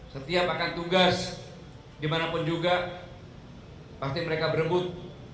setiap akan tugas dimanapun juga pasti mereka berebut